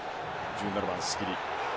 １７番、スキニ。